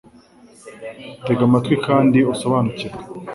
TEGA AMATWI KANDI USOBANUKIRWE